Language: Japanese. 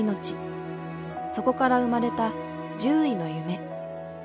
そこから生まれた獣医の夢。